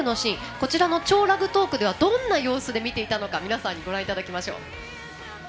こちらの「超ラグトーク！」ではどんな様子で見ていたのか皆さんにご覧いただきます。